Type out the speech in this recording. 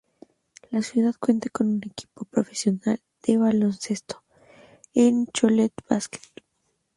La ciudad cuenta con un equipo profesional de baloncesto, el Cholet Basket.